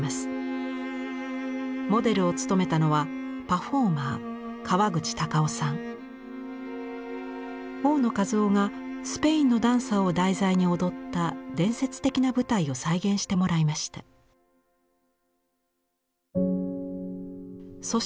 モデルを務めたのは大野一雄がスペインのダンサーを題材に踊った伝説的な舞台を再現してもらいました。